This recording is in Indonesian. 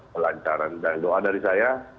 kelancaran dan doa dari saya